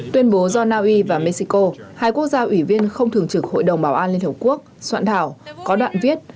tuyên bố do naui và mexico hai quốc gia ủy viên không thường trực hội đồng bảo an liên hợp quốc soạn thảo có đoạn viết